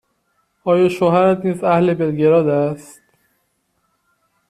آیا شوهرت نیز اهل بلگراد است؟